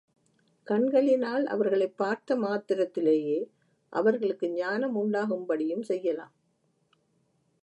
கண்களினால் அவர்களைப் பார்த்த மாத்திரத்திலேயே அவர்களுக்கு ஞானம் உண்டாகும்படியும் செய்யலாம்.